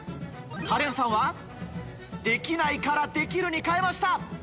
カレンさんは「できない」から「できる」に変えました！